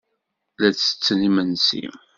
La ttetten imensi.